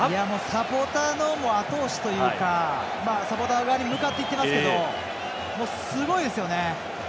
サポーターのあと押しというかサポーター側に向かっていってますけどすごいですよね。